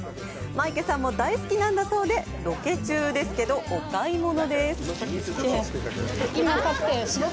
マイケさんも大好きなんだそうでロケ中ですけど、お買い物！